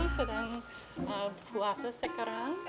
sedang puasa sekarang